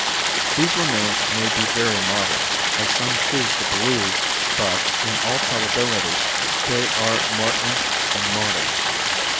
These remains may be very modern, as some choose to believe, but, in all probability, they are more ancient than modern.